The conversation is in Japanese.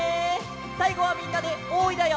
さいごはみんなで「おーい」だよ！